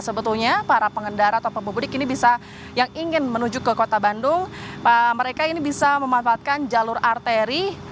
sebetulnya para pengendara atau pemudik ini bisa yang ingin menuju ke kota bandung mereka ini bisa memanfaatkan jalur arteri